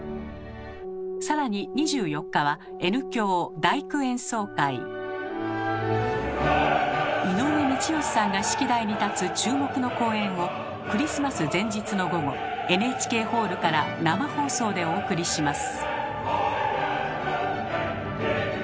更に井上道義さんが指揮台に立つ注目の公演をクリスマス前日の午後ＮＨＫホールから生放送でお送りします。